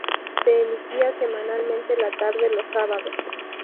Se emitía semanalmente la tarde los sábados.